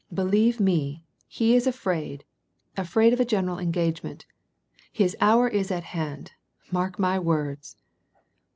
Believe me, he is afraid — afraid of a general engagement ; his hour is at hand I Mark my words